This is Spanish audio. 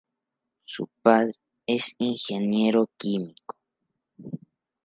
Su padre es un ingeniero químico.